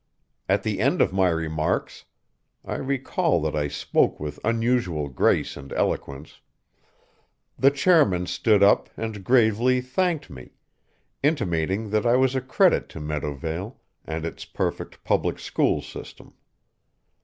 At the end of my remarks I recall that I spoke with unusual grace and eloquence the chairman stood up and gravely thanked me, intimating that I was a credit to Meadowvale and its perfect public school system.